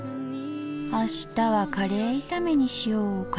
あしたはカレー炒めにしようかなあ。